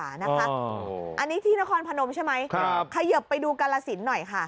อันนี้ที่นครพนมใช่ไหมขยิบไปดูกาลสินหน่อยค่ะ